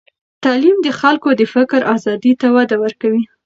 تعلیم د خلکو د فکر آزادۍ ته وده ورکوي.